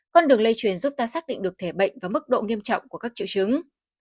con đường lây truyền giúp ta xác định được thể bệnh và mức độ nghiêm trọng của các triệu chứng